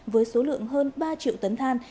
với số lượng hơn ba triệu tấn than